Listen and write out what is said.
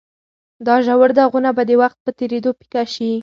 دا ژور داغونه به د وخت په تېرېدو پیکه شي.